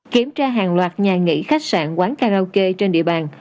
kiểm tra hàng loạt nhà nghỉ khách sạn quán karaoke trên địa bàn